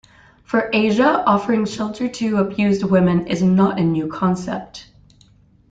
For Asia, offering shelter to abused women is not a new concept.